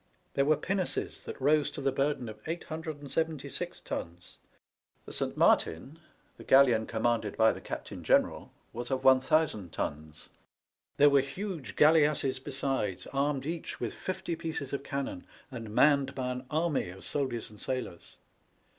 There were pinnaces that rose to the burden of 876 tons. The Saint Martin, the galleon commanded by the Captain General, was of 1000 tons. There were huge galleasses besides, armed each with fifty pieces of cannon, and manned by an army of soldiers and sailors.